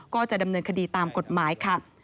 ก็จะดำเนินคดีตามกฎหมายค่ะ